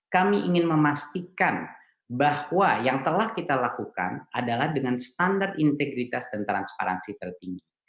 kami ingin memastikan bahwa yang telah kita lakukan adalah dengan standar integritas dan transparansi tertinggi